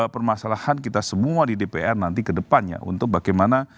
permasalahan kita semua di dpr nanti ke depannya untuk bagaimana